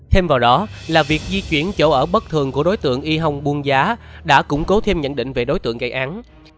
thêm vào đó là việc di chuyển chỗ ở bất thường của đối tượng y hong buôn giá đã củng cố thêm nhận định về đối tượng gây án